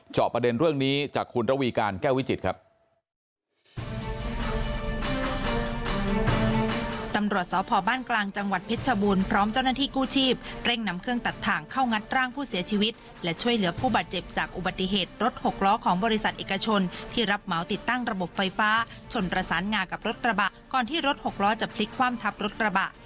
จอบประเด็นเรื่องนี้จากคุณระวีการแก้ววิจิตรครับ